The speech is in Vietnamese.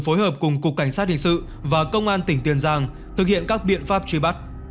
phối hợp cùng cục cảnh sát hình sự và công an tỉnh tiền giang thực hiện các biện pháp truy bắt